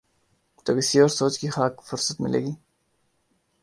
تو کسی اور سوچ کی خاک فرصت ملے گی۔